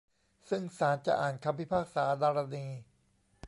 ซึ่งศาลจะอ่านคำพิพากษาดารณี